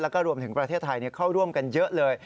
แล้วก็รวมถึงประเทศไทยเข้าร่วมกันเยอะเลย